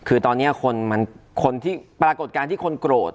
คือตอนนี้คนมันคนที่ปรากฏการณ์ที่คนโกรธ